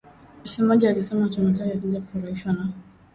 msemaji alisema chama chake hakijafurahishwa na